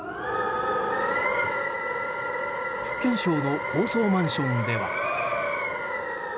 福建省の高層マンションでは。